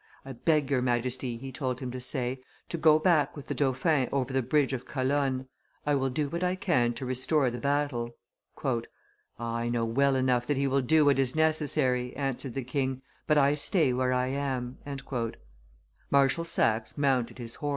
"I beg your Majesty," he told him to say, "to go back with the dauphin over the bridge of Calonne; I will do what I can to restore the battle." "Ah! I know well enough that he will do what is necessary," answered the king, "but I stay where I am." Marshal Saxe mounted his horse.